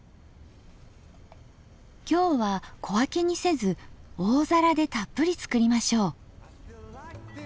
今日は小分けにせず大皿でたっぷり作りましょう。